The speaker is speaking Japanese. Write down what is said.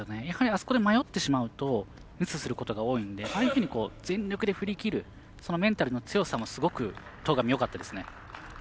やはりあそこで迷ってしまうとミスすることが多いので相手に全力で振り切るそのメンタルの強さも戸上、よかったですね。